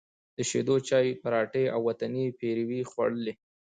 د شېدو چای، پراټې او وطني پېروی خوړلی،